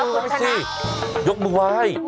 เอาเพลงสิยกมือไหว้